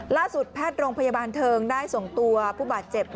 แพทย์โรงพยาบาลเทิงได้ส่งตัวผู้บาดเจ็บ